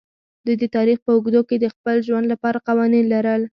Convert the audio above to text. دوی د تاریخ په اوږدو کې د خپل ژوند لپاره قوانین لرل.